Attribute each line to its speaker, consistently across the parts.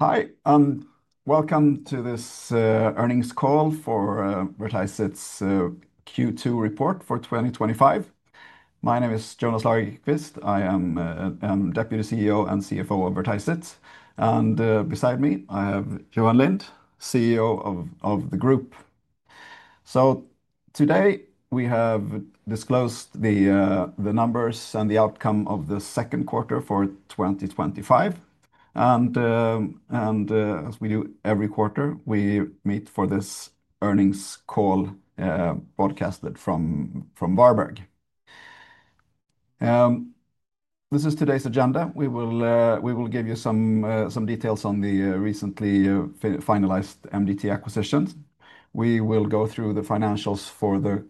Speaker 1: Hi, and welcome to this earnings call for Vertiseit's Q2 report for 2025. My name is Jonas Lagerqvist. I am Deputy CEO and CFO of Vertiseit. Beside me, I have Johan Lind, CEO of the group. Today we have disclosed the numbers and the outcome of the second quarter for 2025. As we do every quarter, we meet for this earnings call broadcasted from Varberg. This is today's agenda. We will give you some details on the recently finalized MDT acquisitions. We will go through the financials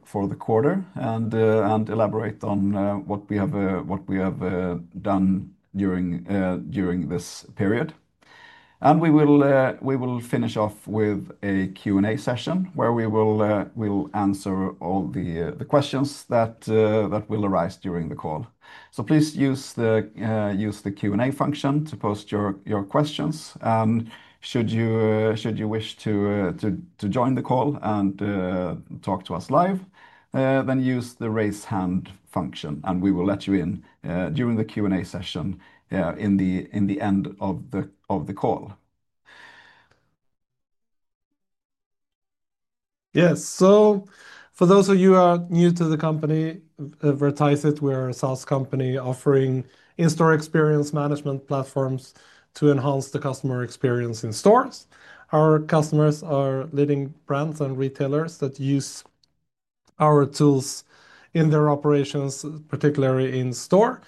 Speaker 1: for the quarter and elaborate on what we have done during this period. We will finish off with a Q&A session where we will answer all the questions that will arise during the call. Please use the Q&A function to post your questions. Should you wish to join the call and talk to us live, use the raise hand function and we will let you in during the Q&A session at the end of the call.
Speaker 2: Yes, so for those of you who are new to the company, Vertiseit, we are a SaaS company offering in-store experience management platforms to enhance the customer experience in stores. Our customers are leading brands and retailers that use our tools in their operations, particularly in store,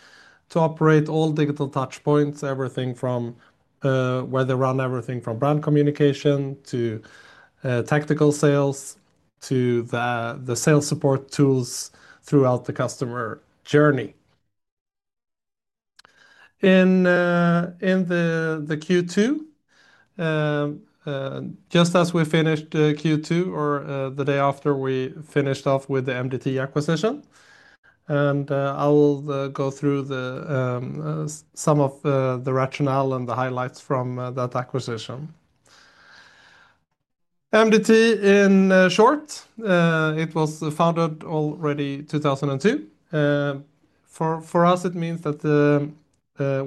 Speaker 2: to operate all digital touchpoints, everything from where they run everything from brand communication to tactical sales to the sales support tools throughout the customer journey. In Q2, just as we finished Q2 or the day after, we finished off with the MDT acquisition, and I'll go through some of the rationale and the highlights from that acquisition. MDT, in short, it was founded already in 2002. For us, it means that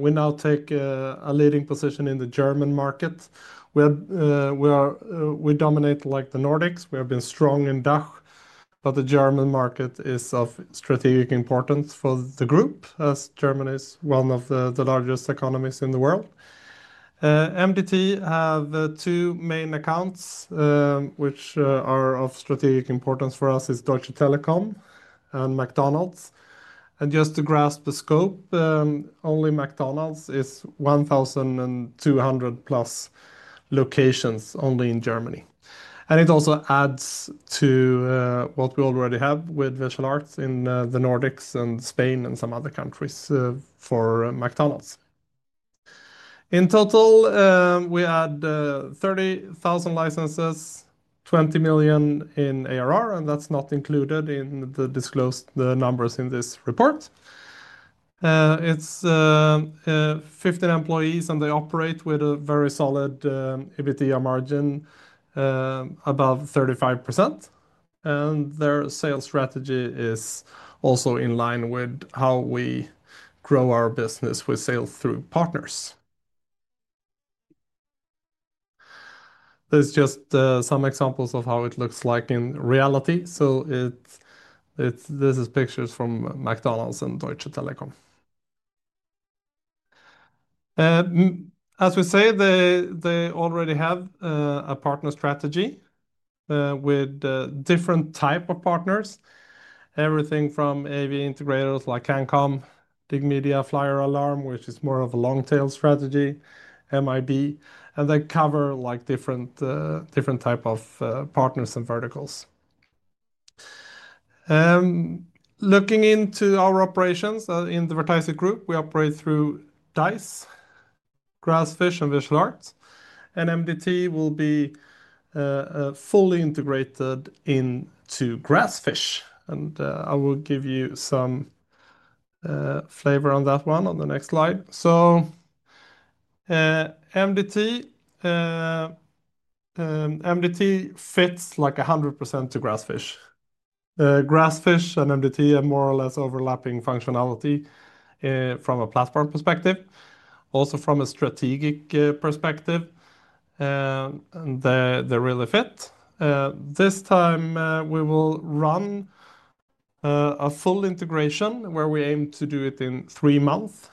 Speaker 2: we now take a leading position in the German market. We dominate like the Nordics. We have been strong in DACH, but the German market is of strategic importance for the group as Germany is one of the largest economies in the world. MDT has two main accounts which are of strategic importance for us. It's Deutsche Telekom and McDonald's. Just to grasp the scope, only McDonald's is 1,200+ locations only in Germany. It also adds to what we already have with Visual Art in the Nordics and Spain and some other countries for McDonald's. In total, we had 30,000 licenses, 20 million in ARR, and that's not included in the disclosed numbers in this report. It's 15 employees and they operate with a very solid EBITDA margin above 35%. Their sales strategy is also in line with how we grow our business with sales through partners. There are just some examples of how it looks like in reality. This is pictures from McDonald's and Deutsche Telekom. As we say, they already have a partner strategy with different types of partners, everything from AV integrators like CANCOM, Dig Media, FLYERALARM, which is more of a long-tail strategy, MIB, and they cover different types of partners and verticals. Looking into our operations in the Vertiseit group, we operate through Dise, Grassfish, and Visual Art. MDT will be fully integrated into Grassfish. I will give you some flavor on that one on the next slide. MDT fits like 100% to Grassfish. Grassfish and MDT are more or less overlapping functionality from a platform perspective, also from a strategic perspective. They really fit. This time, we will run a full integration where we aim to do it in three months.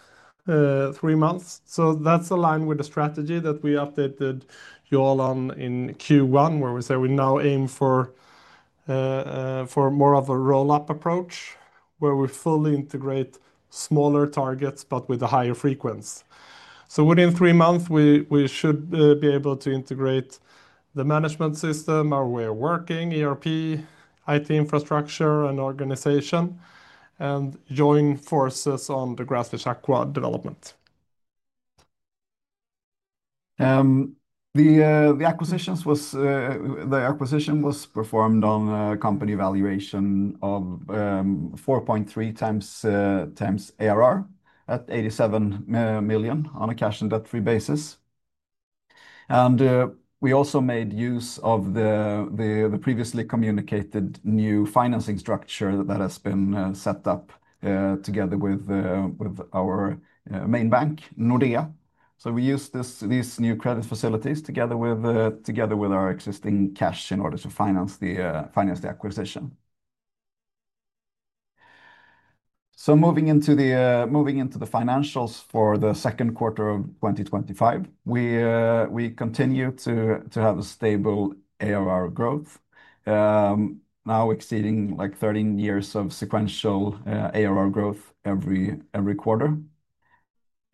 Speaker 2: That is aligned with the strategy that we updated you all on in Q1, where we say we now aim for more of a roll-up approach where we fully integrate smaller targets but with a higher frequency. Within three months, we should be able to integrate the management system, our way of working, ERP, IT infrastructure, and organization, and join forces on the Grassfish Aqua development.
Speaker 1: The acquisition was performed on a company valuation of 4.3x ARR at 87 million on a cash and debt-free basis. We also made use of the previously communicated new financing structure that has been set up together with our main bank, Nordea. We use these new credit facilities together with our existing cash in order to finance the acquisition. Moving into the financials for the second quarter of 2025, we continue to have a stable ARR growth, now exceeding 13 years of sequential ARR growth every quarter.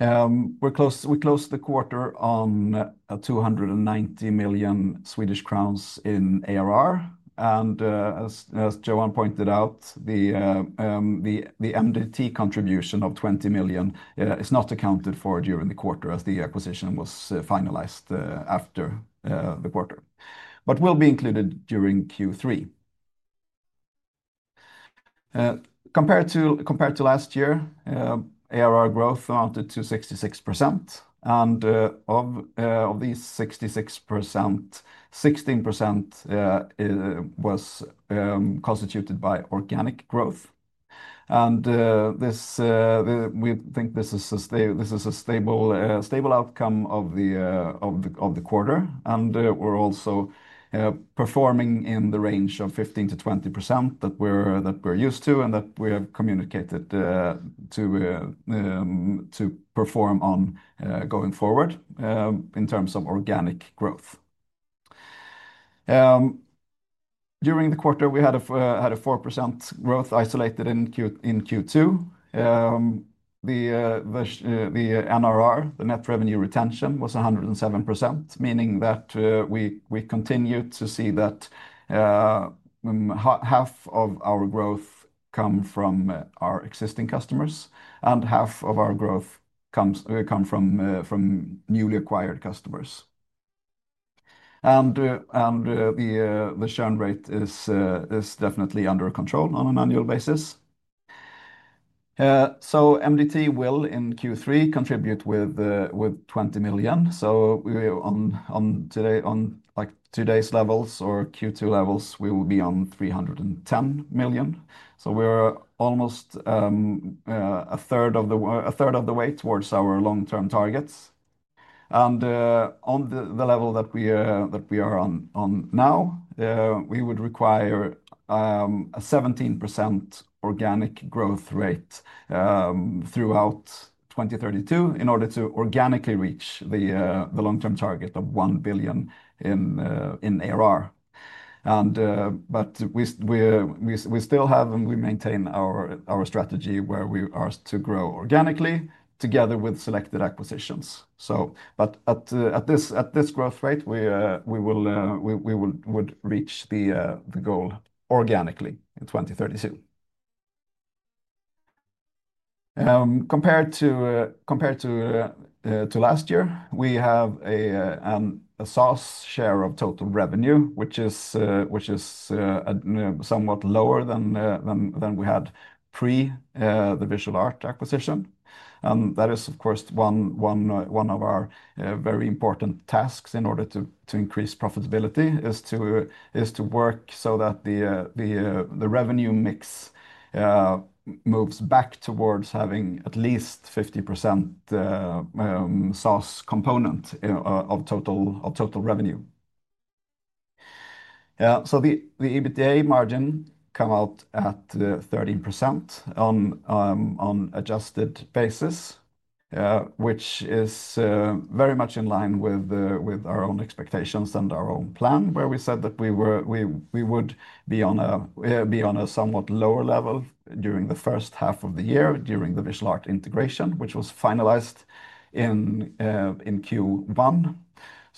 Speaker 1: We closed the quarter on 290 million Swedish crowns in ARR. As Johan pointed out, the MDT contribution of 20 million is not accounted for during the quarter as the acquisition was finalized after the quarter, but will be included during Q3. Compared to last year, ARR growth amounted to 66%. Of these 66%, 16% was constituted by organic growth. We think this is a stable outcome of the quarter. We are also performing in the range of 15%-20% that we're used to and that we have communicated to perform on going forward in terms of organic growth. During the quarter, we had a 4% growth isolated in Q2. The NRR, the net revenue retention, was 107%, meaning that we continue to see that half of our growth comes from our existing customers and half of our growth comes from newly acquired customers. The churn rate is definitely under control on an annual basis. MDT will, in Q3, contribute with SEK 20 million. On today's levels or Q2 levels, we will be on 310 million. We are almost a third of the way towards our long-term targets. On the level that we are on now, we would require a 17% organic growth rate throughout 2032 in order to organically reach the long-term target of SEK 1 billion in ARR. We still have and we maintain our strategy where we are to grow organically together with selected acquisitions. At this growth rate, we would reach the goal organically in 2032. Compared to last year, we have a SaaS share of total revenue, which is somewhat lower than we had pre the Visual Art acquisition. That is, of course, one of our very important tasks in order to increase profitability, to work so that the revenue mix moves back towards having at least a 50% SaaS component of total revenue. The EBITDA margin came out at 30% on an adjusted basis, which is very much in line with our own expectations and our own plan, where we said that we would be on a somewhat lower level during the first half of the year during the Visual Art integration, which was finalized in Q1.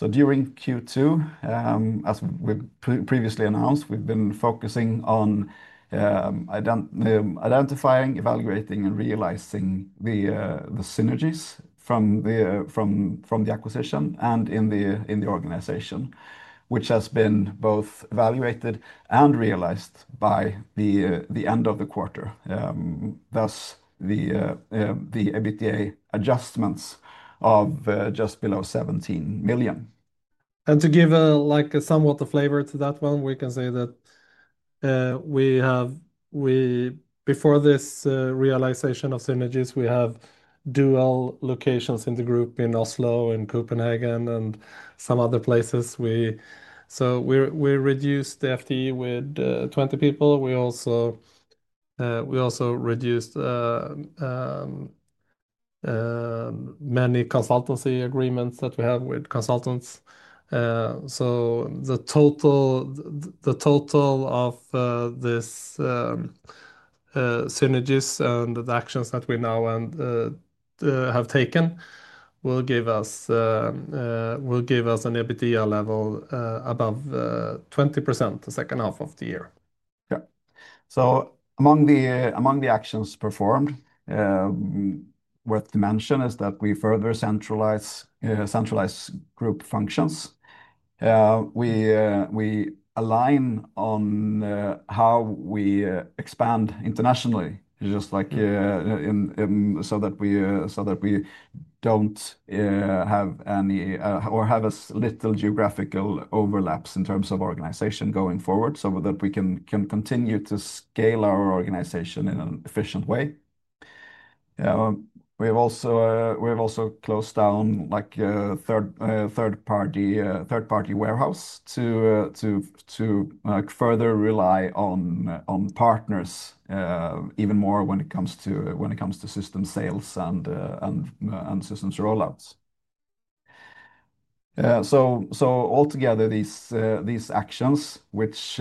Speaker 1: During Q2, as we previously announced, we've been focusing on identifying, evaluating, and realizing the synergies from the acquisition and in the organization, which has been both evaluated and realized by the end of the quarter. Thus, the EBITDA adjustments are just below 17 million.
Speaker 2: To give a somewhat of a flavor to that one, we can say that before this realization of synergies, we have dual locations in the group in Oslo and Copenhagen and some other places. We reduced the FTE with 20 people. We also reduced many consultancy agreements that we have with consultants. The total of these synergies and the actions that we now have taken will give us an EBITDA level above 20% the second half of the year.
Speaker 1: Yeah. Among the actions performed, worth to mention is that we further centralize group functions. We align on how we expand internationally, just like so that we don't have any or have as little geographical overlaps in terms of organization going forward, so that we can continue to scale our organization in an efficient way. We have also closed down a third-party warehouse to further rely on partners even more when it comes to system sales and systems rollouts. Altogether, these actions, which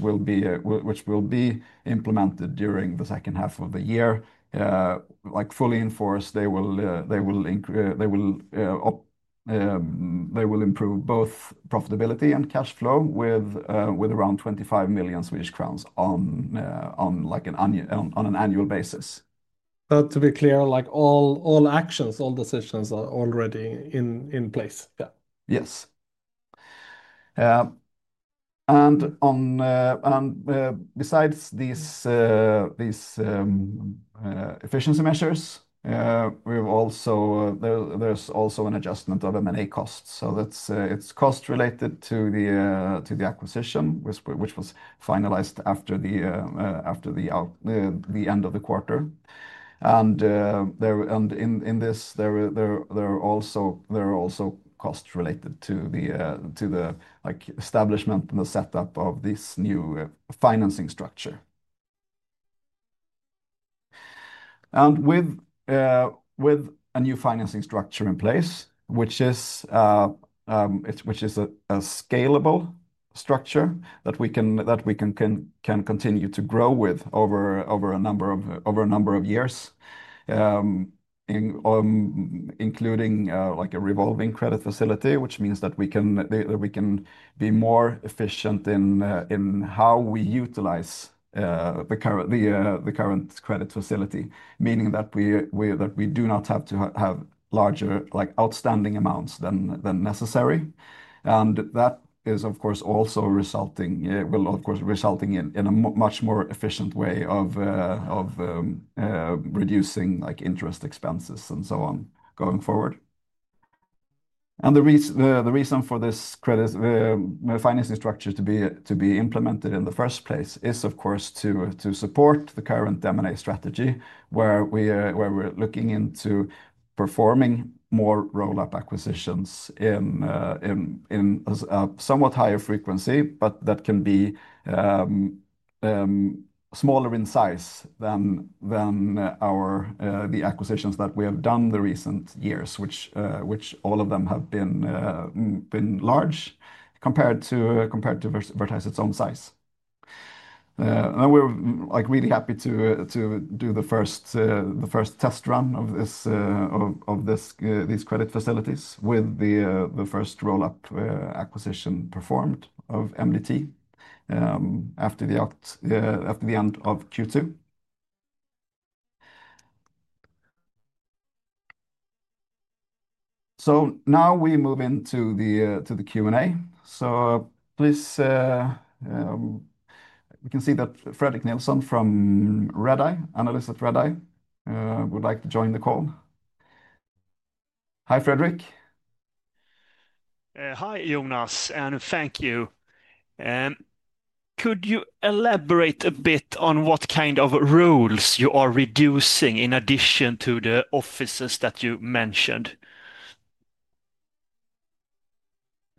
Speaker 1: will be implemented during the second half of the year, fully enforced, will improve both profitability and cash flow with around 25 million Swedish crowns on an annual basis.
Speaker 2: To be clear, all actions, all decisions are already in place.
Speaker 1: Yes. Besides these efficiency measures, there's also an adjustment of M&A costs. It's costs related to the acquisition, which was finalized after the end of the quarter. In this, there are also costs related to the establishment and the setup of this new financing structure. With a new financing structure in place, which is a scalable structure that we can continue to grow with over a number of years, including a revolving credit facility, it means that we can be more efficient in how we utilize the current credit facility, meaning that we do not have to have larger outstanding amounts than necessary. That is, of course, also resulting, will of course, result in a much more efficient way of reducing interest expenses and so on going forward. The reason for this credit financing structure to be implemented in the first place is, of course, to support the current M&A strategy, where we're looking into performing more roll-up acquisitions in a somewhat higher frequency, but that can be smaller in size than the acquisitions that we have done in the recent years, which all of them have been large compared to Vertiseit's own size. We're really happy to do the first test run of these credit facilities with the first roll-up acquisition performed of MDT after the end of Q2. Now we move into the Q&A. Please, we can see that Fredrik Nilsson from Redeye, analyst at Redeye, would like to join the call. Hi, Fredrik.
Speaker 3: Hi, Jonas, and thank you. Could you elaborate a bit on what kind of roles you are reducing in addition to the offices that you mentioned?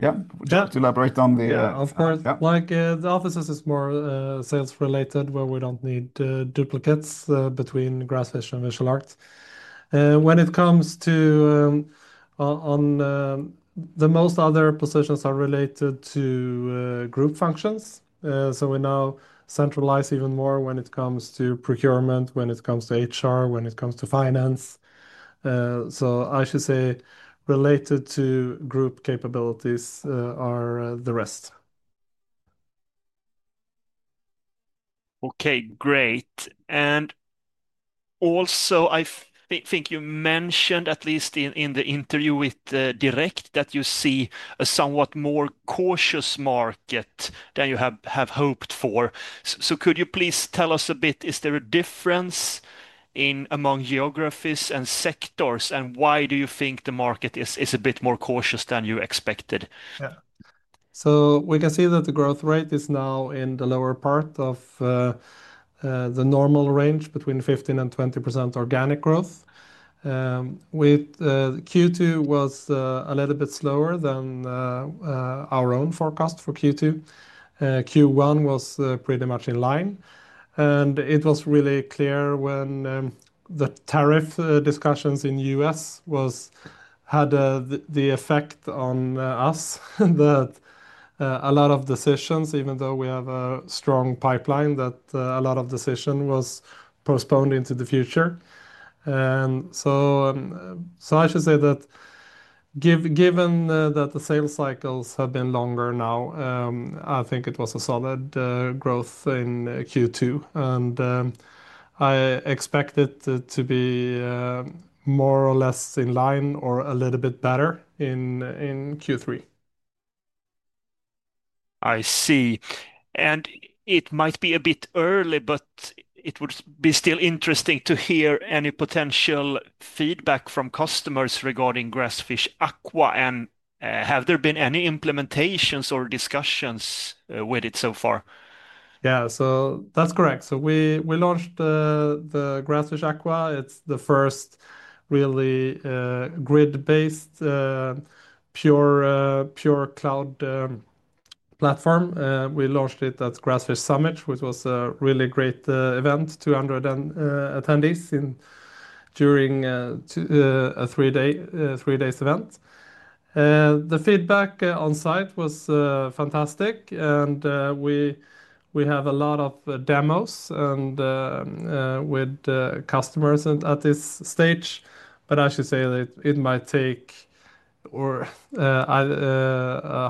Speaker 1: Yeah, just elaborate on the...
Speaker 2: Yeah, of course. The offices are more sales-related where we don't need duplicates between Grassfish and Visual Art. When it comes to most other positions that are related to group functions, we now centralize even more when it comes to procurement, HR, and finance. I should say related to group capabilities are the rest.
Speaker 3: Okay, great. I think you mentioned at least in the interview with Direct that you see a somewhat more cautious market than you have hoped for. Could you please tell us a bit, is there a difference among geographies and sectors, and why do you think the market is a bit more cautious than you expected?
Speaker 2: Yeah. We can see that the growth rate is now in the lower part of the normal range between 15% and 20% organic growth. Q2 was a little bit slower than our own forecast for Q2. Q1 was pretty much in line. It was really clear when the tariff discussions in the U.S. had the effect on us that a lot of decisions, even though we have a strong pipeline, that a lot of decisions were postponed into the future. I should say that given that the sales cycles have been longer now, I think it was a solid growth in Q2. I expect it to be more or less in line or a little bit better in Q3.
Speaker 3: I see. It might be a bit early, but it would be still interesting to hear any potential feedback from customers regarding Grassfish Aqua. Have there been any implementations or discussions with it so far?
Speaker 2: Yeah, that's correct. We launched the Grassfish Aqua. It's the first really grid-based pure cloud platform. We launched it at Grassfish Summit, which was a really great event, 200 attendees during a three-day event. The feedback on site was fantastic. We have a lot of demos and with customers at this stage. I should say that it might take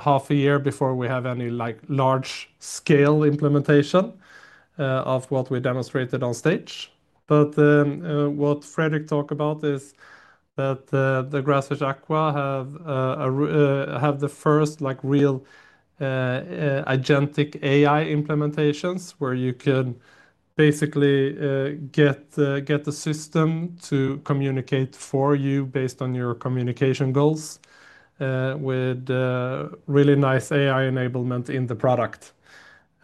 Speaker 2: half a year before we have any large-scale implementation of what we demonstrated on stage. What Fredrik talked about is that the Grassfish Aqua has the first real agentic AI implementations where you can basically get the system to communicate for you based on your communication goals with really nice AI enablement in the product.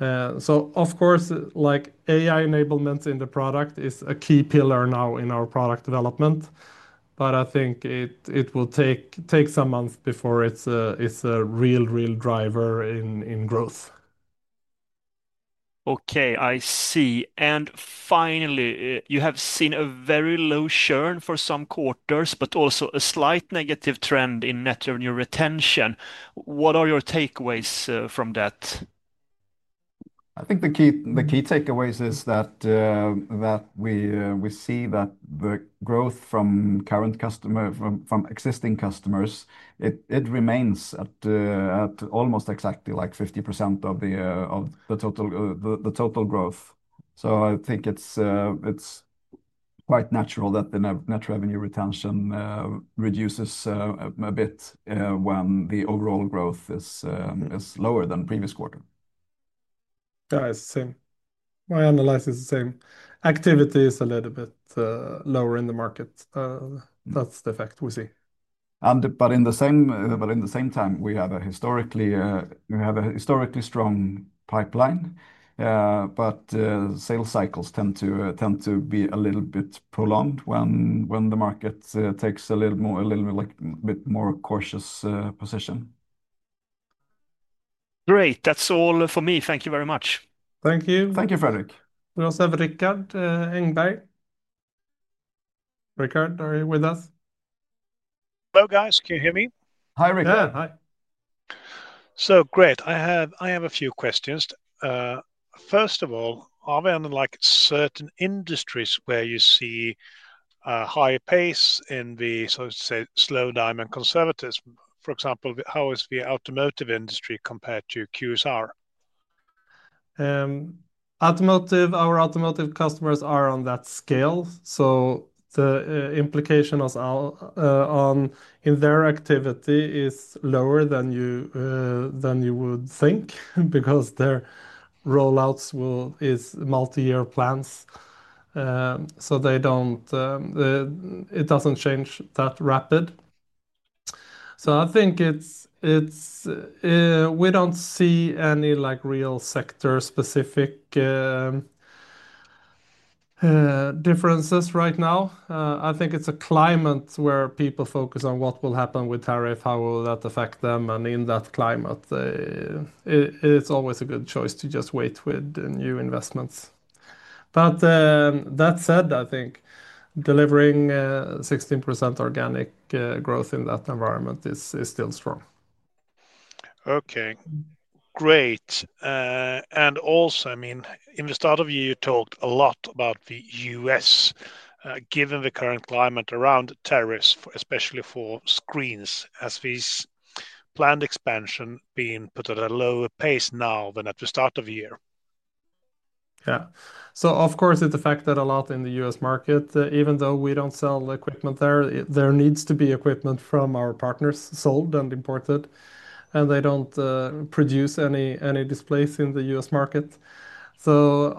Speaker 2: Of course, AI enablement in the product is a key pillar now in our product development. I think it will take some months before it's a real, real driver in growth.
Speaker 3: Okay, I see. Finally, you have seen a very low churn for some quarters, but also a slight negative trend in net revenue retention. What are your takeaways from that?
Speaker 1: I think the key takeaways is that we see that the growth from current customers, from existing customers, it remains at almost exactly like 50% of the total growth. I think it's quite natural that the net revenue retention reduces a bit when the overall growth is lower than the previous quarter.
Speaker 2: Yeah, it's the same. My analyze is the same. Activity is a little bit lower in the market. That's the fact we see.
Speaker 1: At the same time, we have a historically strong pipeline. Sales cycles tend to be a little bit prolonged when the market takes a little bit more cautious position.
Speaker 3: Great. That's all for me. Thank you very much.
Speaker 2: Thank you.
Speaker 1: Thank you, Fredrik.
Speaker 2: We also have Rikard Engberg. Rickard, are you with us?
Speaker 4: Hello, guys. Can you hear me?
Speaker 1: Hi, Rick.
Speaker 2: Hi.
Speaker 4: I have a few questions. First of all, are there certain industries where you see higher pace in the, so to say, slow down and conservatives? For example, how is the automotive industry compared to QSR?
Speaker 2: Our automotive customers are on that scale. The implication on their activity is lower than you would think because their rollouts are multi-year plans. It doesn't change that rapid. I think we don't see any real sector-specific differences right now. I think it's a climate where people focus on what will happen with tariff, how will that affect them. In that climate, it's always a good choice to just wait with new investments. That said, I think delivering 16% organic growth in that environment is still strong.
Speaker 4: Okay, great. Also, I mean, in the start of the year, you talked a lot about the US. Given the current climate around tariffs, especially for screens, has this planned expansion been put at a lower pace now than at the start of the year?
Speaker 2: Of course, it affected a lot in the U.S. market. Even though we don't sell equipment there, there needs to be equipment from our partners sold and imported. They don't produce any displays in the U.S. market. The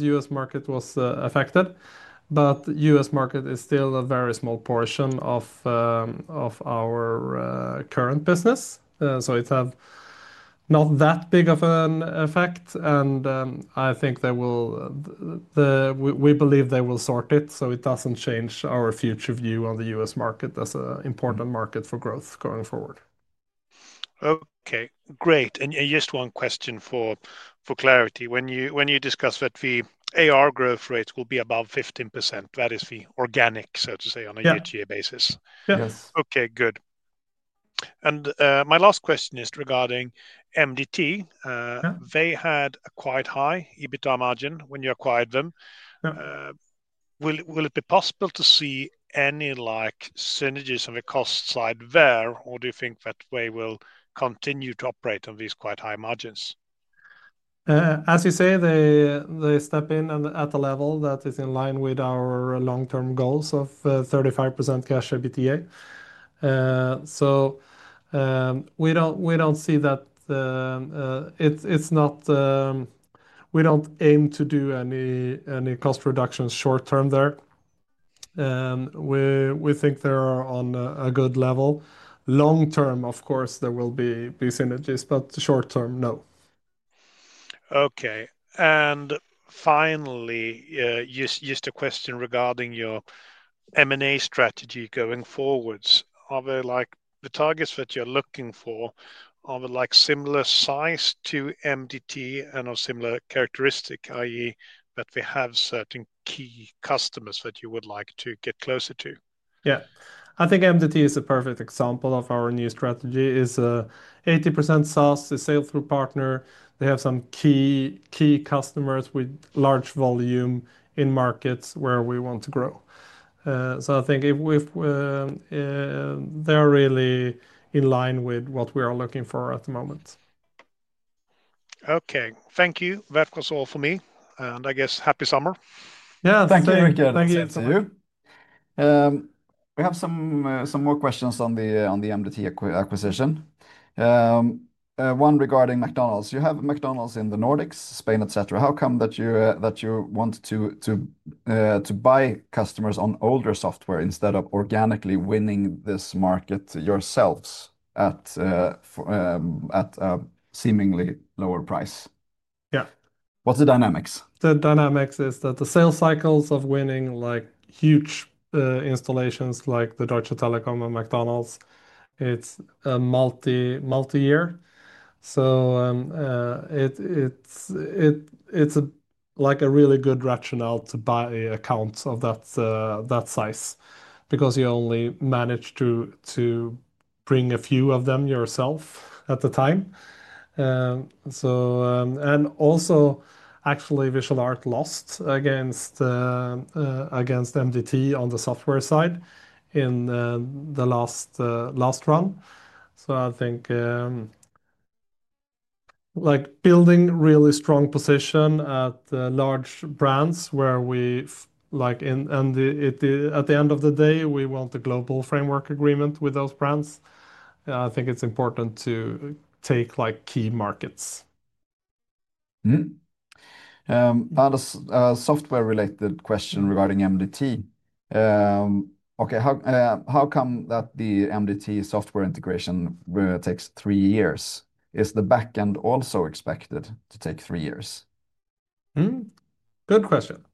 Speaker 2: U.S. market was affected, but the U.S. market is still a very small portion of our current business, so it's not that big of an effect. I think we believe they will sort it. It doesn't change our future view on the U.S. market as an important market for growth going forward.
Speaker 4: Okay, great. Just one question for clarity. When you discussed that the ARR growth rates will be above 15%, that is the organic, so to say, on a year-to-year basis.
Speaker 2: Yes.
Speaker 4: Okay, good. My last question is regarding MDT. They had a quite high EBITDA margin when you acquired them. Will it be possible to see any synergies on the cost side there, or do you think that we will continue to operate on these quite high margins?
Speaker 2: As you say, they step in at a level that is in line with our long-term goals of 35% cash EBITDA. We don't see that, it's not, we don't aim to do any cost reductions short-term there. We think they are on a good level. Long-term, of course, there will be synergies, but short-term, no.
Speaker 4: Okay. Finally, you used a question regarding your M&A strategy going forwards. Are the targets that you're looking for, are they similar size to MDT and are similar characteristics, i.e., that we have certain key customers that you would like to get closer to?
Speaker 2: Yeah, I think MDT is a perfect example of our new strategy. It's an 80% SaaS, a Salling Group partner. They have some key customers with large volume in markets where we want to grow. I think they're really in line with what we are looking for at the moment.
Speaker 4: Okay, thank you. That was all for me. I guess happy summer.
Speaker 2: Yeah, thank you, Rickard.
Speaker 1: Thank you.
Speaker 2: See you.
Speaker 1: We have some more questions on the MDT acquisition. One regarding McDonald's. You have McDonald's in the Nordics, Spain, etc. How come that you want to buy customers on older software instead of organically winning this market yourselves at a seemingly lower price?
Speaker 2: Yeah.
Speaker 1: What's the dynamics?
Speaker 2: The dynamics is that the sales cycles of winning like huge installations like the Deutsche Telekom and McDonald's, it's a multi-year. It's a really good rationale to buy accounts of that size because you only manage to bring a few of them yourself at the time. Also, actually, Visual Art lost against MDT on the software side in the last run. I think building a really strong position at large brands where we, like in, and at the end of the day, we want a global framework agreement with those brands. I think it's important to take like key markets.
Speaker 1: A software-related question regarding MDT. Okay, how come that the MDT software integration takes three years? Is the backend also expected to take three years?
Speaker 2: Good question.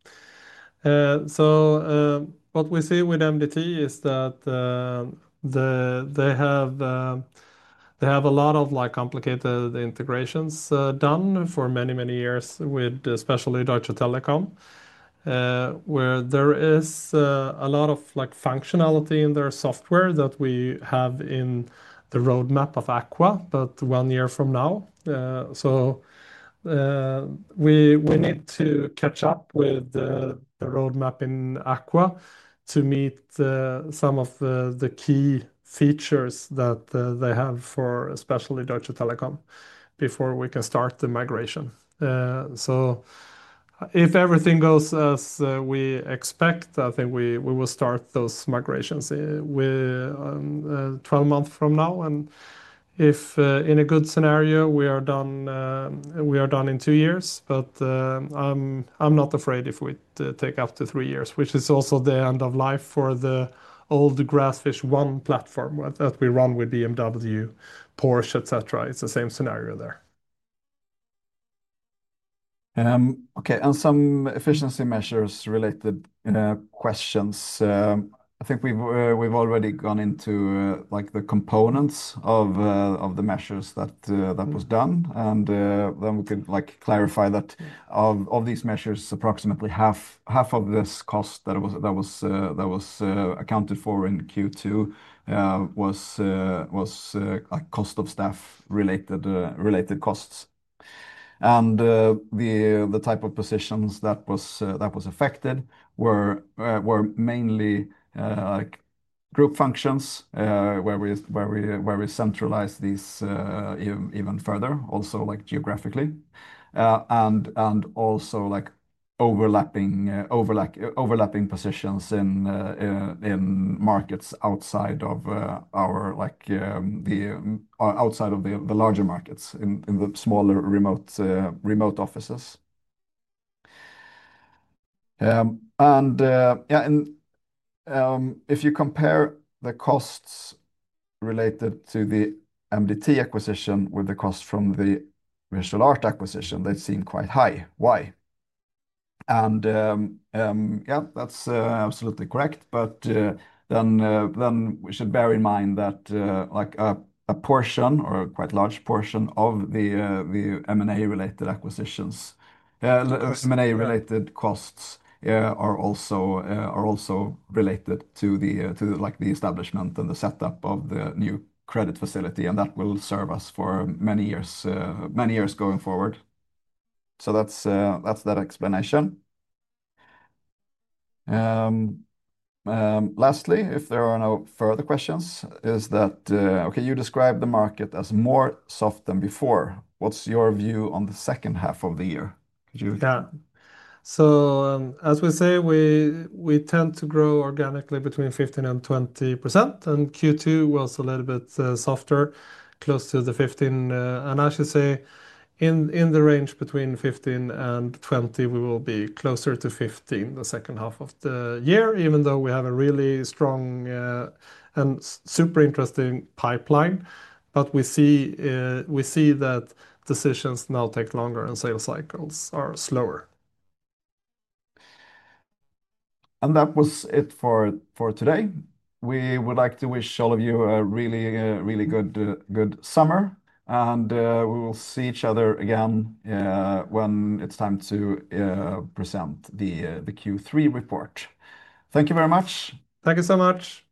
Speaker 2: What we see with MDT is that they have a lot of complicated integrations done for many, many years with especially Deutsche Telekom, where there is a lot of functionality in their software that we have in the roadmap of Aqua but one year from now. We need to catch up with the roadmap in Aqua to meet some of the key features that they have for especially Deutsche Telekom before we can start the migration. If everything goes as we expect, I think we will start those migrations 12 months from now. In a good scenario, we are done in two years, but I'm not afraid if we take up to three years, which is also the end of life for the old Grassfish One platform that we run with BMW, Porsche, etc. It's the same scenario there.
Speaker 1: Okay. Some efficiency measures related in questions. I think we've already gone into the components of the measures that were done. We can clarify that of these measures, approximately half of this cost that was accounted for in Q2 was cost of staff-related costs. The type of positions that were affected were mainly group functions where we centralized these even further, also geographically, and also overlapping positions in markets outside of the larger markets in the smaller remote offices. If you compare the costs related to the MDT acquisition with the costs from the Visual Art acquisition, they seem quite high. Why? That's absolutely correct. We should bear in mind that a portion or a quite large portion of the M&A-related costs are also related to the establishment and the setup of the new credit facility. That will serve us for many years, many years going forward. That's that explanation. Lastly, if there are no further questions, is that okay, you described the market as more soft than before. What's your view on the second half of the year?
Speaker 2: Yeah. As we say, we tend to grow organically between 15% and 20%. Q2 was a little bit softer, close to the 15%. As you say, in the range between 15% and 20%, we will be closer to 15% the second half of the year, even though we have a really strong and super interesting pipeline. We see that decisions now take longer and sales cycles are slower.
Speaker 1: That was it for today. We would like to wish all of you a really, really good summer. We will see each other again when it's time to present the Q3 report. Thank you very much.
Speaker 2: Thank you so much.